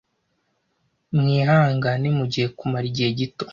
mwihangane mugiye kumara igihe gito